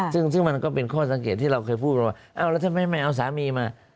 ซึ่งมันก็เป็นข้อสังเกตที่เราเคยพูดมาว่าอ้าวแล้วทำไมไม่เอาสามีมา